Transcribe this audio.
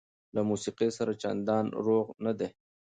له موسقۍ سره چنديان روغ نه دي